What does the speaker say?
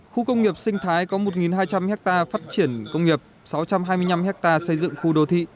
khu công nghiệp sinh thái có một hai trăm linh ha phát triển công nghiệp sáu trăm hai mươi năm ha xây dựng khu đô thị